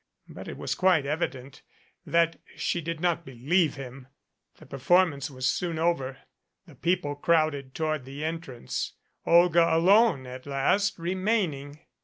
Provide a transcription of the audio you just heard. But it was quite evident that she did not believe him. The performance was soon over, the people crowded toward the entrance, Olga, alone at last, remaining.